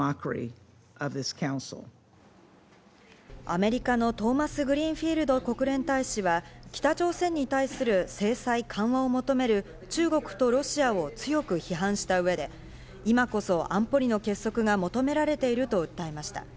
アメリカのトーマスグリーンフィールド国連大使は北朝鮮に対する制裁緩和を求める中国とロシアを強く批判した上で今こそ安保理の結束が求められていると訴えました。